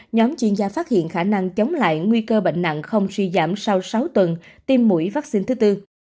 nhóm chuyên gia phát hiện khả năng chống lại nguy cơ bệnh nặng không suy giảm sau sáu tuần tiêm mũi vaccine thứ tư